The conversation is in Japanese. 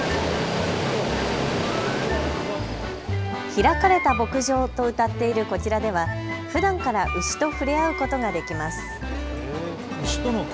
開かれた牧場とうたっているこちらでは、ふだんから牛と触れ合うことができます。